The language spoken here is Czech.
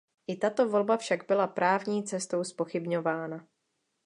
I tato volba však byla právní cestou zpochybňována.